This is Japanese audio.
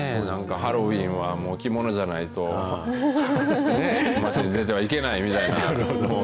なんかハロウィーンはもう着物じゃないと、街に出てはいけないみたいな。